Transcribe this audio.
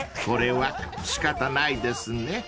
［これは仕方ないですね］